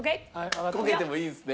こけてもいいんですね？